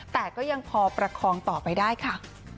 แต่ก็ยังพอประคองต่อไปได้ค่ะ